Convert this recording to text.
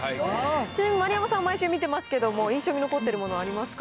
ちなみに、丸山さん、毎週見てますけども、印象に残っているものありますか。